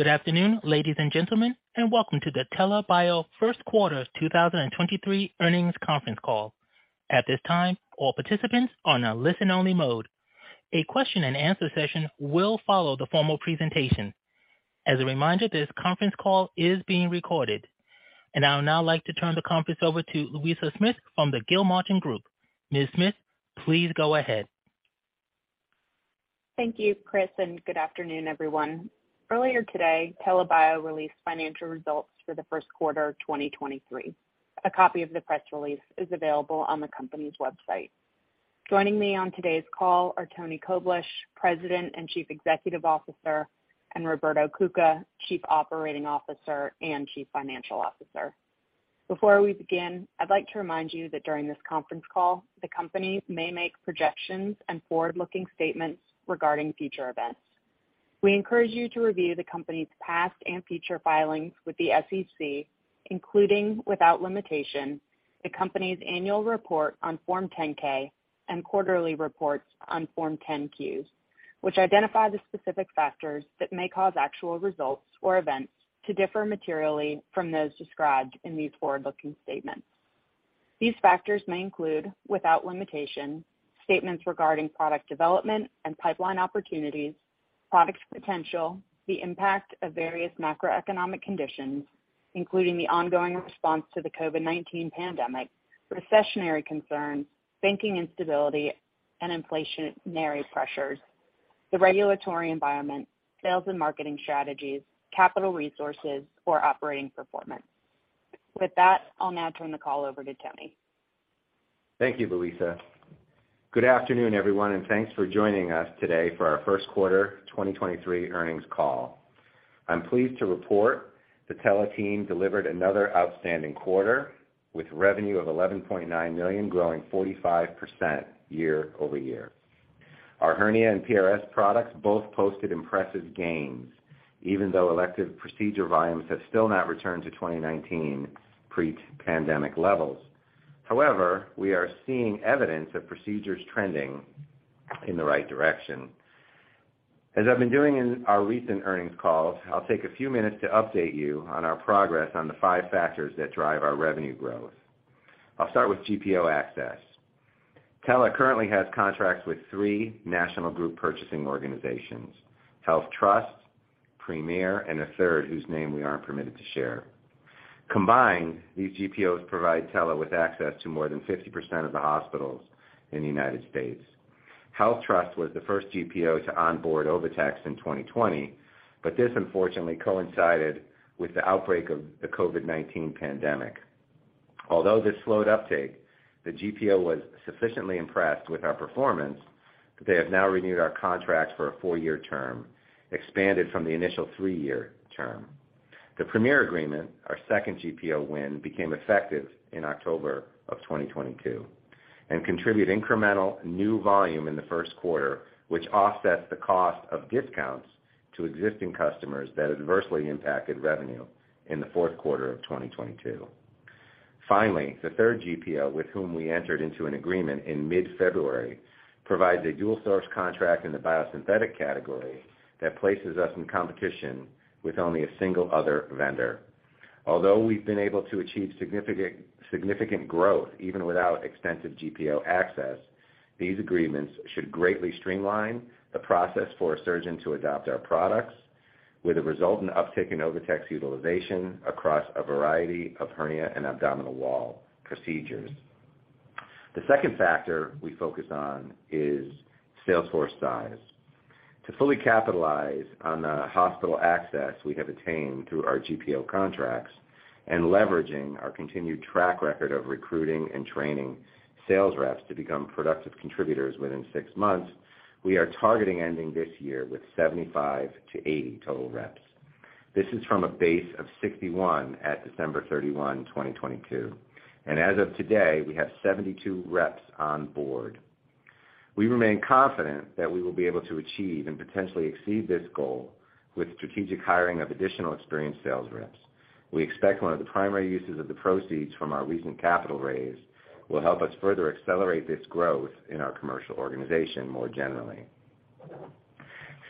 Good afternoon, ladies and gentlemen, welcome to the TELA Bio first quarter 2023 earnings conference call. At this time, all participants are on a listen-only mode. A question-and-answer session will follow the formal presentation. As a reminder, this conference call is being recorded. I would now like to turn the conference over to Louisa Smith from the Gilmartin Group. Ms. Smith, please go ahead. Thank you, Chris, and good afternoon, everyone. Earlier today, TELA Bio released financial results for the first quarter of 2023. A copy of the press release is available on the company's website. Joining me on today's call are Tony Koblish, President and Chief Executive Officer, and Roberto Cuca, Chief Operating Officer and Chief Financial Officer. Before we begin, I'd like to remind you that during this conference call, the companies may make projections and forward-looking statements regarding future events. We encourage you to review the company's past and future filings with the SEC, including, without limitation, the company's annual report on Form 10-K and quarterly reports on Form 10-Qs, which identify the specific factors that may cause actual results or events to differ materially from those described in these forward-looking statements. These factors may include, without limitation, statements regarding product development and pipeline opportunities, product potential, the impact of various macroeconomic conditions, including the ongoing response to the COVID-19 pandemic, recessionary concerns, banking instability and inflationary pressures, the regulatory environment, sales and marketing strategies, capital resources, or operating performance. With that, I'll now turn the call over to Tony. Thank you, Louisa. Good afternoon, everyone, Thanks for joining us today for our first quarter 2023 earnings call. I'm pleased to report the TELA team delivered another outstanding quarter, with revenue of $11.9 million growing 45% year-over-year. Our hernia and PRS products both posted impressive gains, even though elective procedure volumes have still not returned to 2019 pre-pandemic levels. We are seeing evidence of procedures trending in the right direction. As I've been doing in our recent earnings calls, I'll take a few minutes to update you on our progress on the five factors that drive our revenue growth. I'll start with GPO access. TELA currently has contracts with three national group purchasing organizations, HealthTrust, Premier, and a third whose name we aren't permitted to share. Combined, these GPOs provide TELA with access to more than 50% of the hospitals in the United States. HealthTrust was the first GPO to onboard OviTex in 2020, but this unfortunately coincided with the outbreak of the COVID-19 pandemic. Although this slowed uptake, the GPO was sufficiently impressed with our performance that they have now renewed our contract for a 4-year term, expanded from the initial 3-year term. The Premier agreement, our second GPO win, became effective in October of 2022 and contribute incremental new volume in the first quarter, which offsets the cost of discounts to existing customers that adversely impacted revenue in the fourth quarter of 2022. Finally, the third GPO with whom we entered into an agreement in mid-February provides a dual source contract in the biosynthetic category that places us in competition with only a single other vendor. Although we've been able to achieve significant growth even without extensive GPO access, these agreements should greatly streamline the process for a surgeon to adopt our products with a resultant uptick in OviTex utilization across a variety of hernia and abdominal wall procedures. The second factor we focus on is sales force size. To fully capitalize on the hospital access we have attained through our GPO contracts and leveraging our continued track record of recruiting and training sales reps to become productive contributors within 6 months, we are targeting ending this year with 75-80 total reps. This is from a base of 61 at December 31, 2022. As of today, we have 72 reps on board. We remain confident that we will be able to achieve and potentially exceed this goal with strategic hiring of additional experienced sales reps. We expect one of the primary uses of the proceeds from our recent capital raise will help us further accelerate this growth in our commercial organization more generally.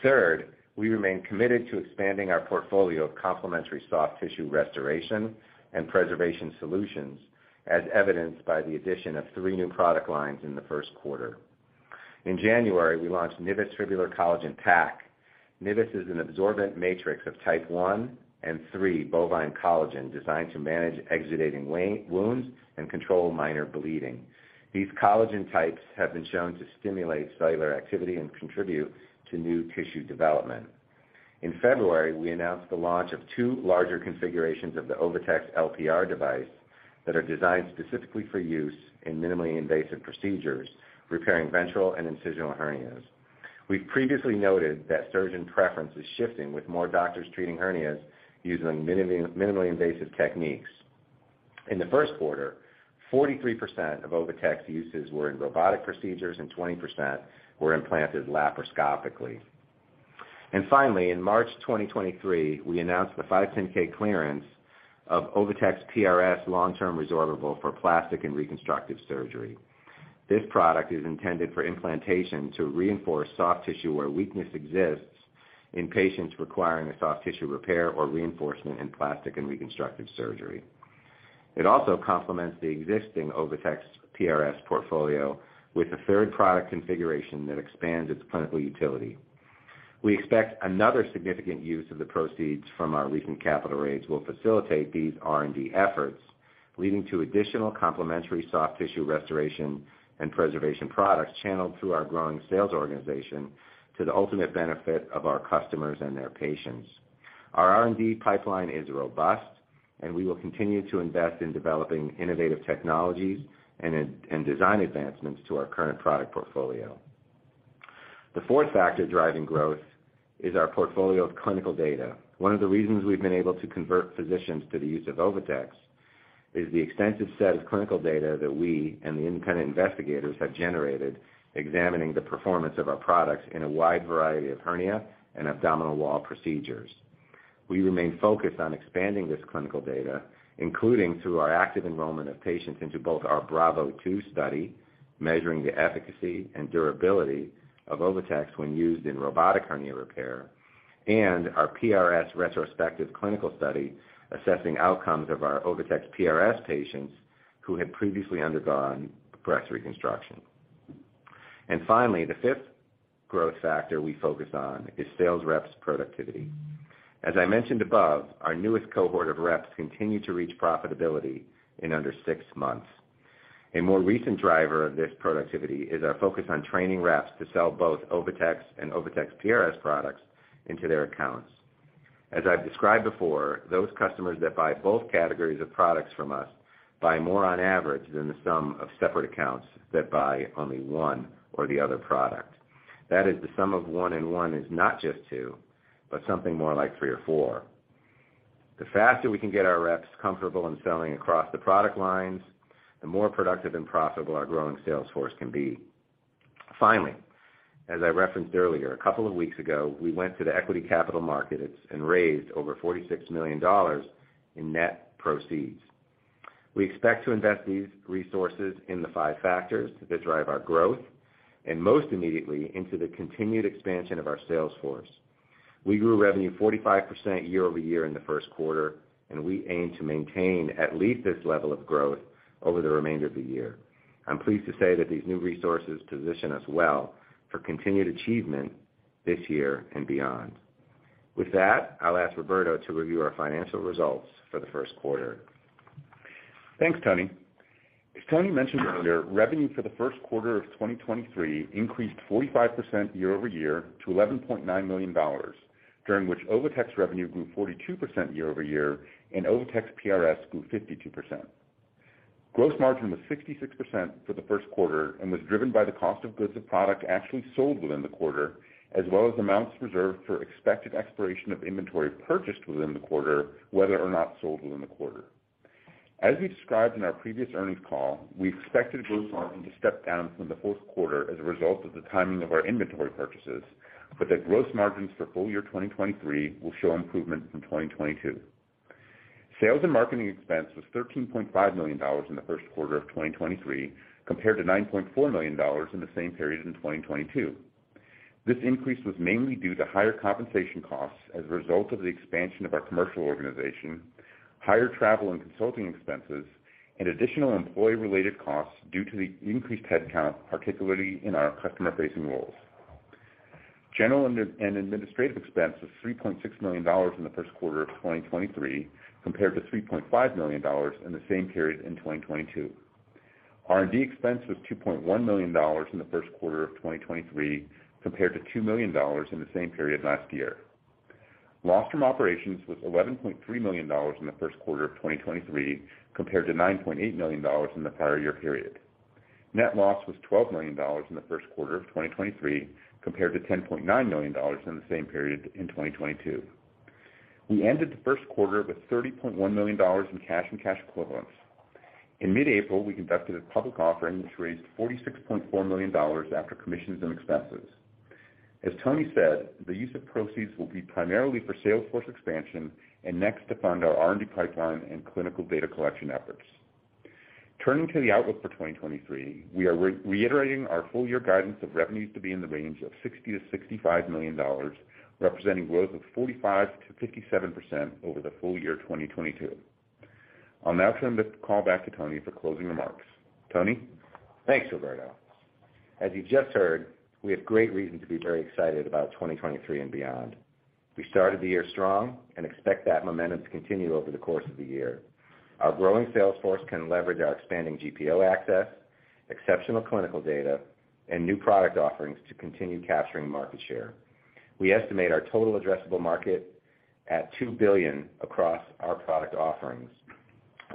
Third, we remain committed to expanding our portfolio of complementary soft tissue restoration and preservation solutions, as evidenced by the addition of three new product lines in the first quarter. In January, we launched NIVIS Tubular Collagen TAC. NIVIS is an absorbent matrix of type one and three bovine collagen designed to manage exudating wounds and control minor bleeding. These collagen types have been shown to stimulate cellular activity and contribute to new tissue development. In February, we announced the launch of two larger configurations of the OviTex LPR device that are designed specifically for use in minimally invasive procedures, repairing ventral and incisional hernias. We've previously noted that surgeon preference is shifting with more doctors treating hernias using minimally invasive techniques. In the first quarter, 43% of OviTex uses were in robotic procedures and 20% were implanted laparoscopically. Finally, in March 2023, we announced the 510(k) clearance of OviTex PRS long-term resorbable for plastic and reconstructive surgery. This product is intended for implantation to reinforce soft tissue where weakness exists in patients requiring a soft tissue repair or reinforcement in plastic and reconstructive surgery. It also complements the existing OviTex PRS portfolio with a third product configuration that expands its clinical utility. We expect another significant use of the proceeds from our recent capital raise will facilitate these R&D efforts, leading to additional complementary soft tissue restoration and preservation products channeled through our growing sales organization to the ultimate benefit of our customers and their patients. Our R&D pipeline is robust, and we will continue to invest in developing innovative technologies and design advancements to our current product portfolio. The fourth factor driving growth is our portfolio of clinical data. One of the reasons we've been able to convert physicians to the use of OviTex is the extensive set of clinical data that we and the independent investigators have generated examining the performance of our products in a wide variety of hernia and abdominal wall procedures. We remain focused on expanding this clinical data, including through our active enrollment of patients into both our BRAVO II study, measuring the efficacy and durability of OviTex when used in robotic hernia repair, and our PRS retrospective clinical study assessing outcomes of our OviTex PRS patients who had previously undergone breast reconstruction. Finally, the fifth growth factor we focus on is sales reps productivity. As I mentioned above, our newest cohort of reps continue to reach profitability in under six months. A more recent driver of this productivity is our focus on training reps to sell both OviTex and OviTex PRS products into their accounts. As I've described before, those customers that buy both categories of products from us buy more on average than the sum of separate accounts that buy only 1 or the other product. That is, the sum of one and one is not just two, but something more like three or four. The faster we can get our reps comfortable in selling across the product lines, the more productive and profitable our growing sales force can be. Finally, as I referenced earlier, a couple of weeks ago, we went to the equity capital markets and raised over $46 million in net proceeds. We expect to invest these resources in the five factors that drive our growth and most immediately into the continued expansion of our sales force. We grew revenue 45% year-over-year in the first quarter. We aim to maintain at least this level of growth over the remainder of the year. I'm pleased to say that these new resources position us well for continued achievement this year and beyond. With that, I'll ask Roberto to review our financial results for the first quarter. Thanks, Tony. As Tony mentioned earlier, revenue for the first quarter of 2023 increased 45% year-over-year to $11.9 million, during which OviTex revenue grew 42% year-over-year and OviTex PRS grew 52%. Gross margin was 66% for the first quarter and was driven by the cost of goods of product actually sold within the quarter, as well as amounts reserved for expected expiration of inventory purchased within the quarter, whether or not sold within the quarter. As we described in our previous earnings call, we expected gross margin to step down from the fourth quarter as a result of the timing of our inventory purchases, but that gross margins for full year 2023 will show improvement from 2022. Sales and marketing expense was $13.5 million in the first quarter of 2023, compared to $9.4 million in the same period in 2022. This increase was mainly due to higher compensation costs as a result of the expansion of our commercial organization, higher travel and consulting expenses, and additional employee-related costs due to the increased headcount, particularly in our customer-facing roles. General and administrative expense was $3.6 million in the first quarter of 2023, compared to $3.5 million in the same period in 2022. R&D expense was $2.1 million in the first quarter of 2023, compared to $2 million in the same period last year. Loss from operations was $11.3 million in the first quarter of 2023, compared to $9.8 million in the prior year period. Net loss was $12 million in the first quarter of 2023, compared to $10.9 million in the same period in 2022. We ended the first quarter with $30.1 million in cash and cash equivalents. In mid-April, we conducted a public offering, which raised $46.4 million after commissions and expenses. As Tony said, the use of proceeds will be primarily for sales force expansion and next to fund our R&D pipeline and clinical data collection efforts. Turning to the outlook for 2023, we are reiterating our full year guidance of revenues to be in the range of $60 million-$65 million, representing growth of 45%-57% over the full year 2022. I'll now turn the call back to Tony for closing remarks. Tony? Thanks, Roberto. As you just heard, we have great reason to be very excited about 2023 and beyond. We started the year strong and expect that momentum to continue over the course of the year. Our growing sales force can leverage our expanding GPO access, exceptional clinical data, and new product offerings to continue capturing market share. We estimate our total addressable market at $2 billion across our product offerings,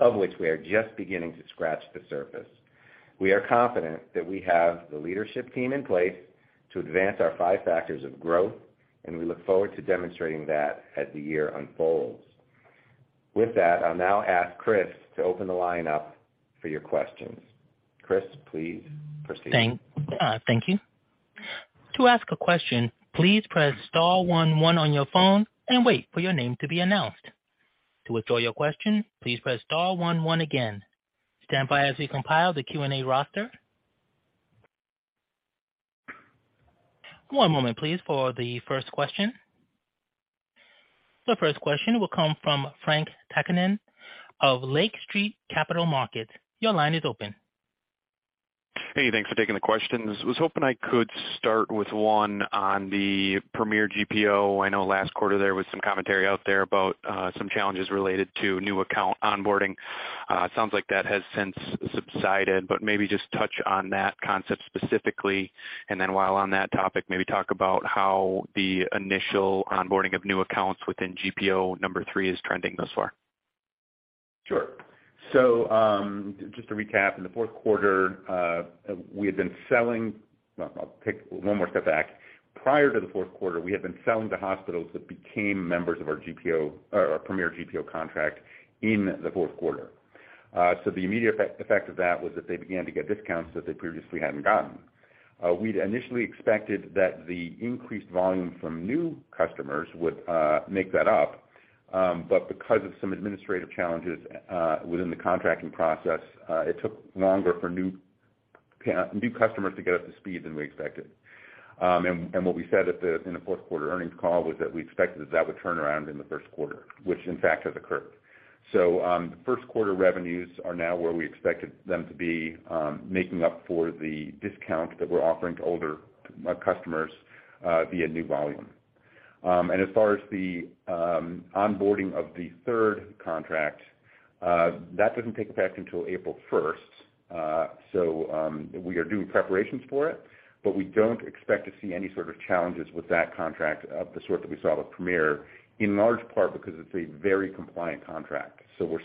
of which we are just beginning to scratch the surface. We are confident that we have the leadership team in place to advance our five factors of growth, and we look forward to demonstrating that as the year unfolds. With that, I'll now ask Chris to open the line up for your questions. Chris, please proceed. Thank you. To ask a question, please press star one one on your phone and wait for your name to be announced. To withdraw your question, please press star one one again. Stand by as we compile the Q&A roster. One moment please for the first question. The first question will come from Frank Takkinen of Lake Street Capital Markets. Your line is open. Hey, thanks for taking the questions. Was hoping I could start with one on the Premier GPO. I know last quarter there was some commentary out there about, some challenges related to new account onboarding. It sounds like that has since subsided, but maybe just touch on that concept specifically. While on that topic, maybe talk about how the initial onboarding of new accounts within GPO number three is trending thus far. Sure. Just to recap, in the fourth quarter, we had been selling. Well, I'll take one more step back. Prior to the fourth quarter, we had been selling to hospitals that became members of our GPO or our Premier GPO contract in the fourth quarter. The immediate effect of that was that they began to get discounts that they previously hadn't gotten. We'd initially expected that the increased volume from new customers would make that up. Because of some administrative challenges within the contracting process, it took longer for new customers to get up to speed than we expected. What we said in the fourth quarter earnings call was that we expected that that would turn around in the first quarter, which in fact has occurred. First quarter revenues are now where we expected them to be, making up for the discounts that we're offering to older customers, via new volume. As far as the onboarding of the third contract, that doesn't take effect until April first. We are doing preparations for it, but we don't expect to see any sort of challenges with that contract of the sort that we saw with Premier, in large part because it's a very compliant contract. We're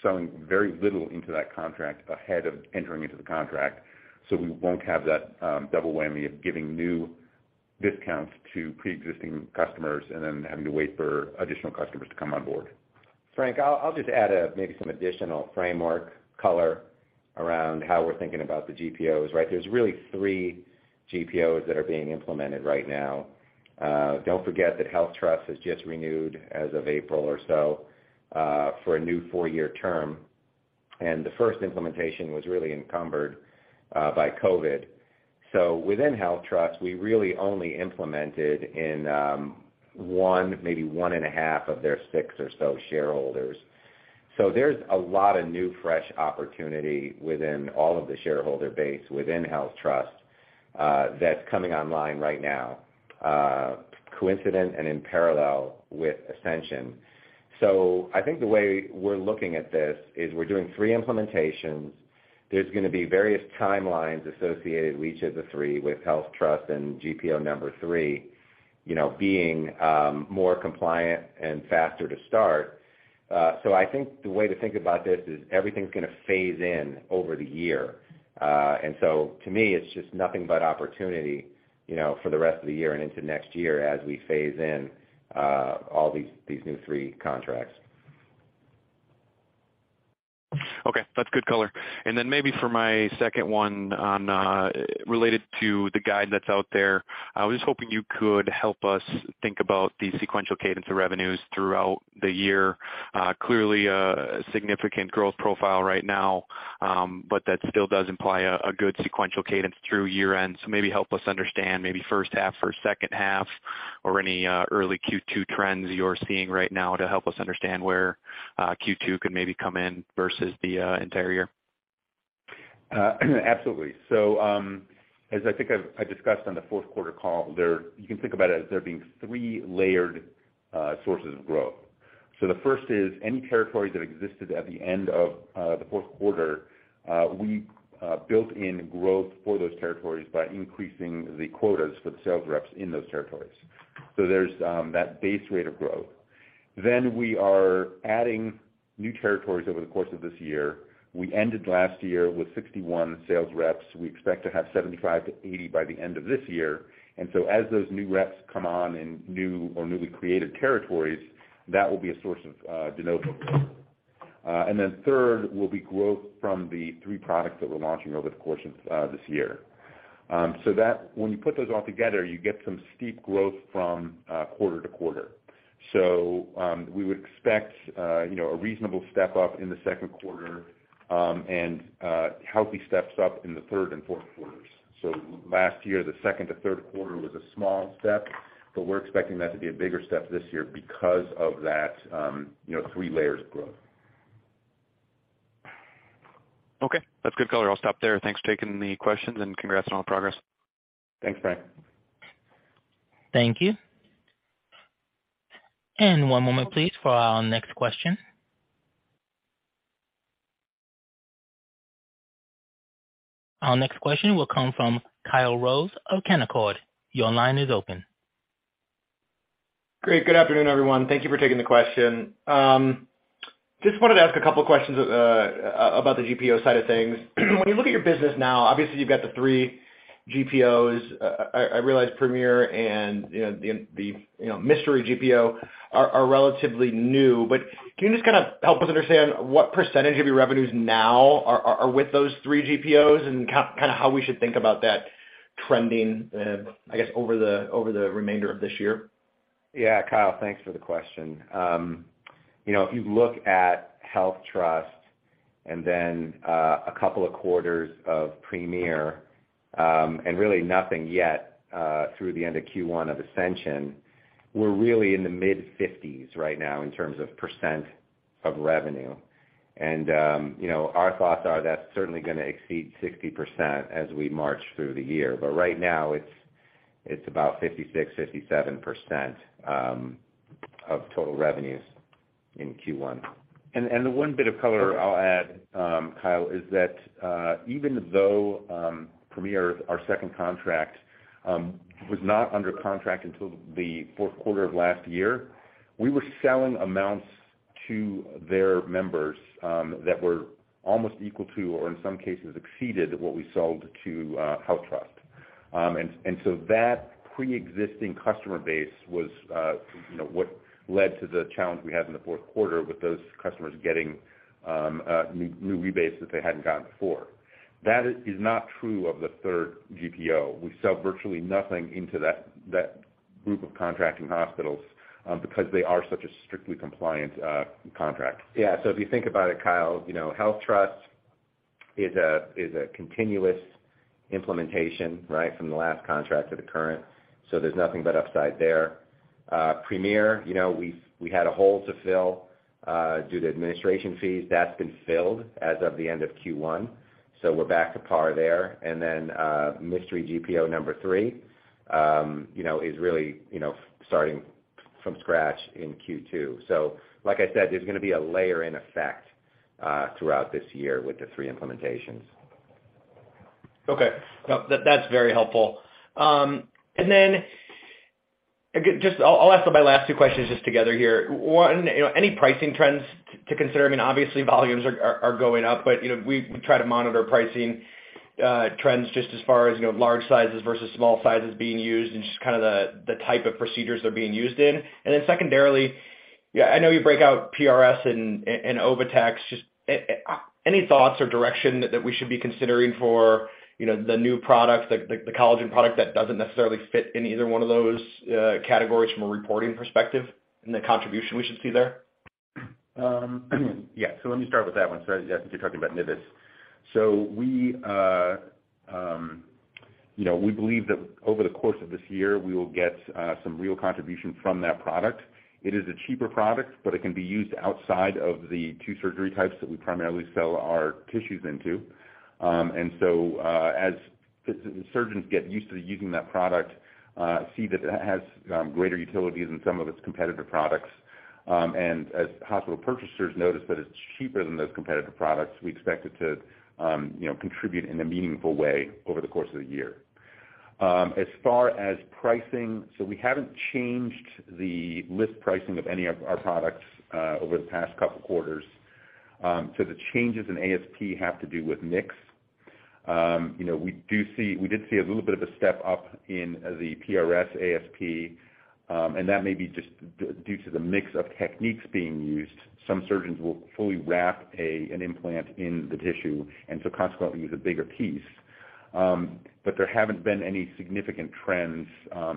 selling very little into that contract ahead of entering into the contract. We won't have that double whammy of giving new discounts to pre-existing customers and then having to wait for additional customers to come on board. Frank, I'll just add maybe some additional framework color around how we're thinking about the GPOs, right? There's really three GPOs that are being implemented right now. Don't forget that HealthTrust has just renewed as of April or so for a new four-year term, and the first implementation was really encumbered by COVID. Within HealthTrust, we really only implemented in one, maybe 1.5 of their six or so shareholders. There's a lot of new, fresh opportunity within all of the shareholder base within HealthTrust that's coming online right now coincident and in parallel with Ascension. I think the way we're looking at this is we're doing 3 implementations. There's gonna be various timelines associated with each of the three with HealthTrust and GPO number three, you know, being more compliant and faster to start. I think the way to think about this is everything's gonna phase in over the year. To me, it's just nothing but opportunity, you know, for the rest of the year and into next year as we phase in all these new three contracts. Okay. That's good color. Then maybe for my second one on, related to the guide that's out there, I was hoping you could help us think about the sequential cadence of revenues throughout the year. Clearly a significant growth profile right now, but that still does imply a good sequential cadence through year-end. Maybe help us understand maybe first half or second half or any early Q2 trends you're seeing right now to help us understand where Q2 could maybe come in versus the entire year. Absolutely. As I think I discussed on the fourth quarter call there, you can think about it as there being three layered sources of growth. The first is any territories that existed at the end of the fourth quarter, we built in growth for those territories by increasing the quotas for the sales reps in those territories. There's that base rate of growth. We are adding new territories over the course of this year. We ended last year with 61 sales reps. We expect to have 75-80 by the end of this year. As those new reps come on in new or newly created territories, that will be a source of de novo growth. Third will be growth from the three products that we're launching over the course of this year. When you put those all together, you get some steep growth from quarter to quarter. We would expect, you know, a reasonable step-up in the second quarter, and healthy steps up in the third and fourth quarters. Last year, the second to third quarter was a small step, but we're expecting that to be a bigger step this year because of that, you know, three layers of growth. Okay. That's good color. I'll stop there. Thanks for taking the questions. Congrats on all the progress. Thanks, Frank. Thank you. One moment please for our next question. Our next question will come from Kyle Rose of Canaccord Genuity. Your line is open. Great. Good afternoon, everyone. Thank you for taking the question. Just wanted to ask a couple of questions about the GPO side of things. When you look at your business now, obviously you've got the three GPOs. I realize Premier and, you know, the, you know, mystery GPO are relatively new. Can you just kinda help us understand what percentage of your revenues now are, are with those three GPOs and kinda how we should think about that trending, I guess, over the, over the remainder of this year? Yeah, Kyle, thanks for the question. you know, if you look at HealthTrust and then, a couple of quarters of Premier, and really nothing yet, through the end of Q1 of Ascension, we're really in the mid-50s right now in terms of percent of revenue. you know, our thoughts are that's certainly gonna exceed 60% as we march through the year. Right now, it's about 56%-57%, of total revenues in Q1. The one bit of color I'll add, Kyle, is that even though Premier, our second contract, was not under contract until the fourth quarter of last year, we were selling amounts to their members that were almost equal to or in some cases exceeded what we sold to HealthTrust. That pre-existing customer base was, you know, what led to the challenge we had in the fourth quarter with those customers getting a new rebase that they hadn't gotten before. That is not true of the third GPO. We sell virtually nothing into that group of contracting hospitals because they are such a strictly compliant contract. If you think about it, Kyle, you know, HealthTrust is a continuous implementation, right, from the last contract to the current. There's nothing but upside there. Premier, you know, we had a hole to fill due to administration fees. That's been filled as of the end of Q1. We're back to par there. Then mystery GPO number three, you know, is really, you know, starting from scratch in Q2. Like I said, there's gonna be a layer in effect throughout this year with the three implementations. Okay. No, that's very helpful. Just I'll ask my last two questions just together here. One, you know, any pricing trends to consider? I mean, obviously volumes are going up, you know, we try to monitor pricing trends just as far as, you know, large sizes versus small sizes being used and just kinda the type of procedures they're being used in. Secondarily, yeah, I know you break out PRS and OviTex. Just any thoughts or direction that we should be considering for, you know, the new products, the collagen product that doesn't necessarily fit in either one of those categories from a reporting perspective and the contribution we should see there? Yeah. Let me start with that one since you're talking about NIVIS. We, you know, we believe that over the course of this year, we will get some real contribution from that product. It is a cheaper product, but it can be used outside of the two surgery types that we primarily sell our tissues into. As surgeons get used to using that product, see that it has greater utility than some of its competitive products, and as hospital purchasers notice that it's cheaper than those competitive products, we expect it to, you know, contribute in a meaningful way over the course of the year. As far as pricing, we haven't changed the list pricing of any of our products over the past couple quarters. The changes in ASP have to do with mix. you know, we did see a little bit of a step up in the PRS ASP, and that may be just due to the mix of techniques being used. Some surgeons will fully wrap an implant in the tissue, and so consequently use a bigger piece. There haven't been any significant trends,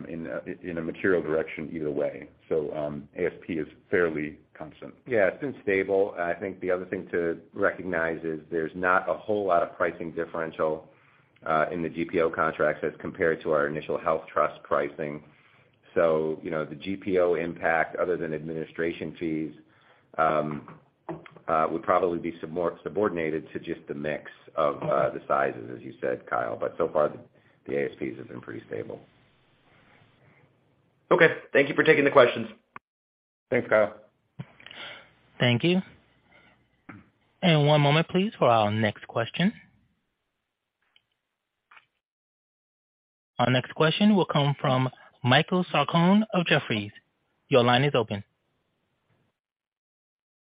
in a material direction either way. ASP is fairly constant. Yeah, it's been stable. I think the other thing to recognize is there's not a whole lot of pricing differential in the GPO contracts as compared to our initial HealthTrust pricing. you know, the GPO impact, other than administration fees, would probably be subordinated to just the mix of the sizes, as you said, Kyle. so far, the ASPs have been pretty stable. Okay. Thank you for taking the questions. Thanks, Kyle. Thank you. One moment please for our next question. Our next question will come from Michael Sarcone of Jefferies. Your line is open.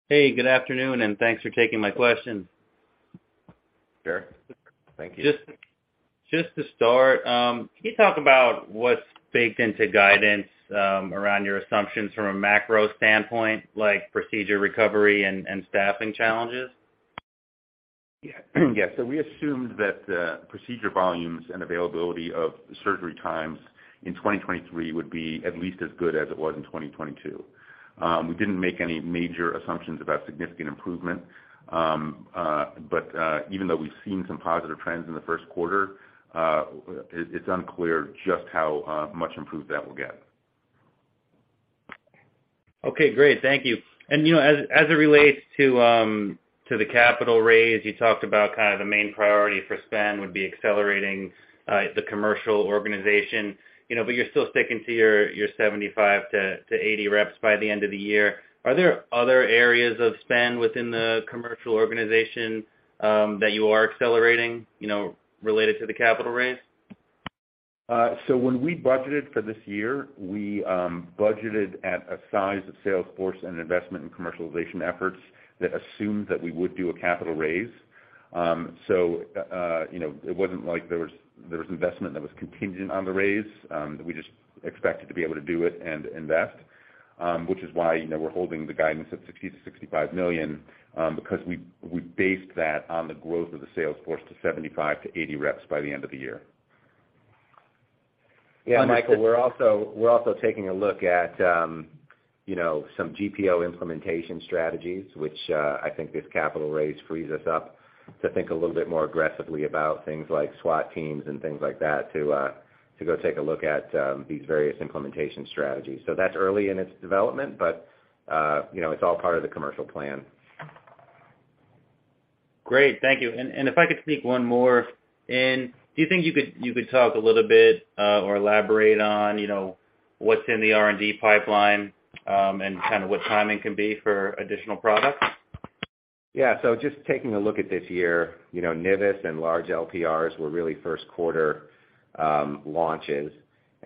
Hey, good afternoon, and thanks for taking my question. Sure. Thank you. Just to start, can you talk about what's baked into guidance, around your assumptions from a macro standpoint, like procedure recovery and staffing challenges? Yeah. Yeah. We assumed that procedure volumes and availability of surgery times in 2023 would be at least as good as it was in 2022. We didn't make any major assumptions about significant improvement. Even though we've seen some positive trends in the first quarter, it's unclear just how much improved that will get. Okay, great. Thank you. You know, as it relates to the capital raise, you talked about kind of the main priority for spend would be accelerating the commercial organization, you know, but you're still sticking to your 75-80 reps by the end of the year. Are there other areas of spend within the commercial organization that you are accelerating, you know, related to the capital raise? When we budgeted for this year, we budgeted at a size of sales force and investment in commercialization efforts that assumed that we would do a capital raise. You know, it wasn't like there was investment that was contingent on the raise, that we just expected to be able to do it and invest. Which is why, you know, we're holding the guidance at $60 million-$65 million, because we based that on the growth of the sales force to 75 to 80 reps by the end of the year. Yeah, Michael, we're also taking a look at, you know, some GPO implementation strategies, which I think this capital raise frees us up to think a little bit more aggressively about things like SWAT teams and things like that to go take a look at these various implementation strategies. That's early in its development, but, you know, it's all part of the commercial plan. Great. Thank you. If I could sneak one more in. Do you think you could talk a little bit or elaborate on, you know, what's in the R&D pipeline and kinda what timing can be for additional products? Yeah. Just taking a look at this year, you know, NIVIS and large LPRs were really first quarter launches.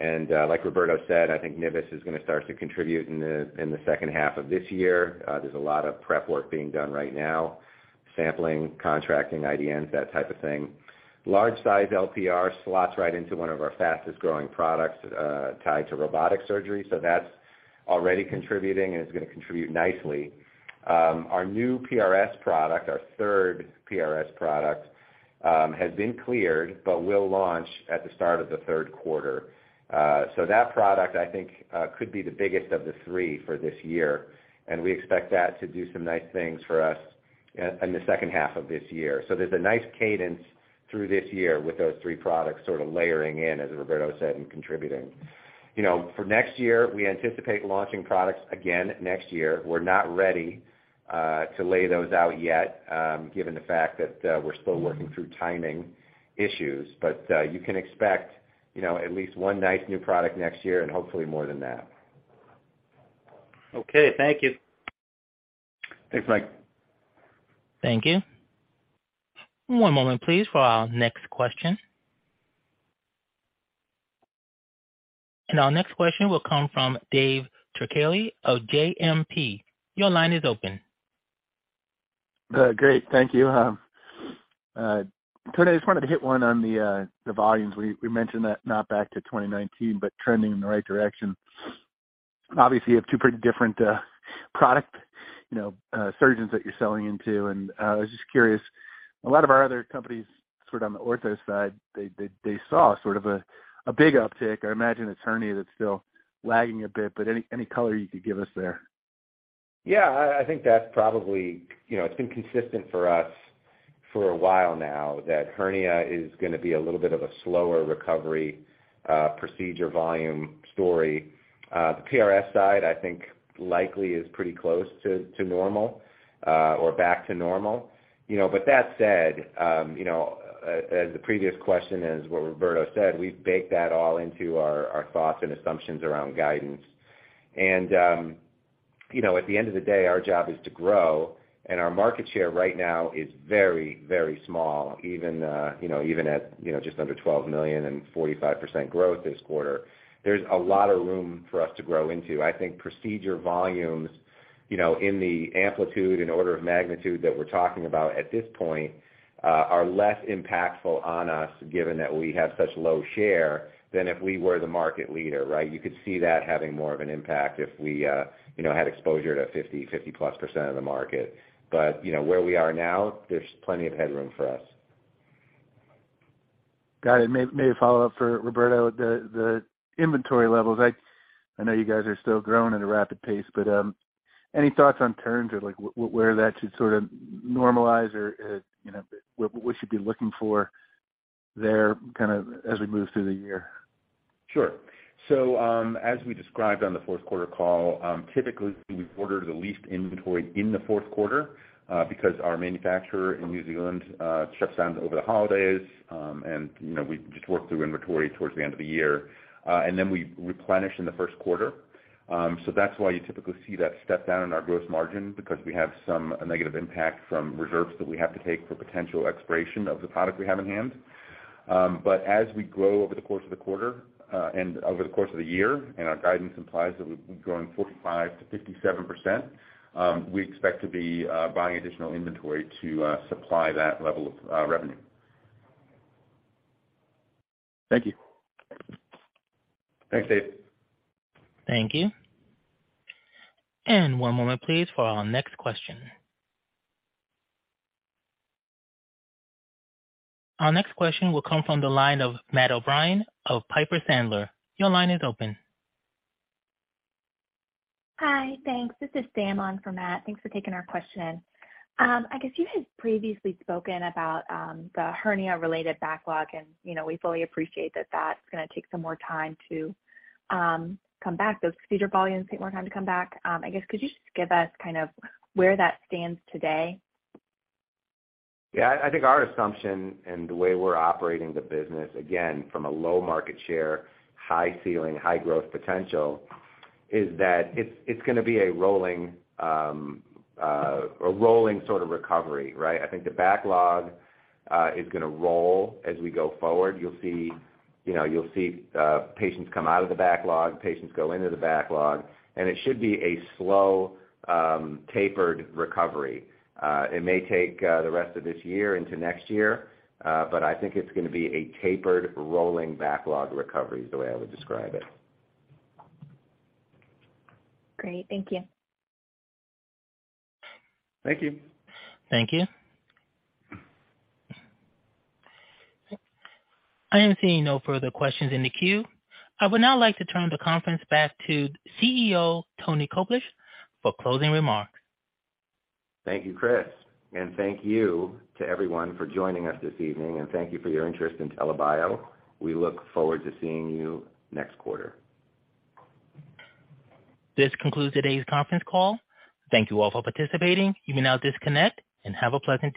Like Roberto said, I think NIVIS is gonna start to contribute in the second half of this year. There's a lot of prep work being done right now, sampling, contracting, IDNs, that type of thing. Large-sized LPR slots right into one of our fastest-growing products, tied to robotic surgery, so that's already contributing and it's gonna contribute nicely. Our new PRS product, our third PRS product, has been cleared but will launch at the start of the third quarter. That product, I think, could be the biggest of the three for this year, and we expect that to do some nice things for us in the second half of this year. There's a nice cadence through this year with those three products sorta layering in, as Roberto said, and contributing. You know, for next year, we anticipate launching products again next year. We're not ready to lay those out yet, given the fact that we're still working through timing issues. You can expect, you know, at least one nice new product next year, and hopefully more than that. Okay, thank you. Thanks, Mike. Thank you. One moment, please, for our next question. Our next question will come from Dave Turkaly of JMP. Your line is open. Great. Thank you. Tony, I just wanted to hit one on the volumes. We mentioned that not back to 2019, but trending in the right direction. Obviously, you have two pretty different product, you know, surgeons that you're selling into. I was just curious, a lot of our other companies sort of on the ortho side, they saw sort of a big uptick. I imagine it's hernia that's still lagging a bit, but any color you could give us there? Yeah, I think that's probably... You know, it's been consistent for us for a while now that hernia is gonna be a little bit of a slower recovery, procedure volume story. The PRS side, I think, likely is pretty close to normal, or back to normal. You know, but that said, you know, as the previous question and as what Roberto said, we've baked that all into our thoughts and assumptions around guidance. You know, at the end of the day, our job is to grow, and our market share right now is very, very small, even, you know, even at, just under $12 million and 45% growth this quarter. There's a lot of room for us to grow into. I think procedure volumes, you know, in the amplitude and order of magnitude that we're talking about at this point, are less impactful on us given that we have such low share than if we were the market leader, right? You could see that having more of an impact if we, you know, had exposure to 50+% of the market. You know, where we are now, there's plenty of headroom for us. Got it. May follow up for Roberto. The inventory levels. I know you guys are still growing at a rapid pace, but any thoughts on turns or, like, where that should sort of normalize or, you know, what we should be looking for there kind of as we move through the year? Sure. As we described on the fourth quarter call, typically we order the least inventory in the fourth quarter, because our manufacturer in New Zealand shuts down over the holidays, and, you know, we just work through inventory towards the end of the year, and then we replenish in the first quarter. That's why you typically see that step down in our gross margin because we have some negative impact from reserves that we have to take for potential expiration of the product we have in hand. As we grow over the course of the quarter, and over the course of the year, and our guidance implies that we'll be growing 45%-57%, we expect to be buying additional inventory to supply that level of revenue. Thank you. Thanks, Dave. Thank you. One moment, please, for our next question. Our next question will come from the line of Matt O'Brien of Piper Sandler. Your line is open. Hi. Thanks. This is Sam on for Matt. Thanks for taking our question. I guess you had previously spoken about the hernia-related backlog, and, you know, we fully appreciate that that's gonna take some more time to come back, those procedure volumes take more time to come back. I guess could you just give us kind of where that stands today? Yeah. I think our assumption and the way we're operating the business, again, from a low market share, high ceiling, high growth potential, is that it's gonna be a rolling sort of recovery, right? I think the backlog is gonna roll as we go forward. You know, you'll see patients come out of the backlog, patients go into the backlog. It should be a slow, tapered recovery. It may take the rest of this year into next year. I think it's gonna be a tapered rolling backlog recovery is the way I would describe it. Great. Thank you. Thank you. Thank you. I am seeing no further questions in the queue. I would now like to turn the conference back to CEO, Tony Koblish, for closing remarks. Thank you, Chris. Thank you to everyone for joining us this evening, and thank you for your interest in TELA Bio. We look forward to seeing you next quarter. This concludes today's conference call. Thank you all for participating. You may now disconnect and have a pleasant day.